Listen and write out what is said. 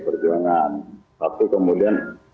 perjuangan satu kemudian